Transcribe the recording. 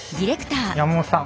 山本さん。